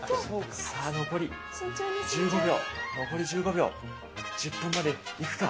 さあ残り１５秒、残り１５秒、１０本まで行くか。